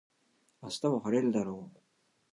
明日は晴れるだろう